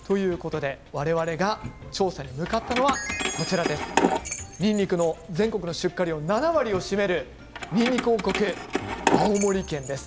我々が調査に向かったのはにんにくの全国の出荷量７割を占めるにんにく王国、青森県です。